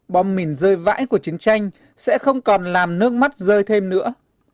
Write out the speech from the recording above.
bom mìn rơi vãi của chiến tranh sẽ không còn làm nước mắt rơi thêm nữa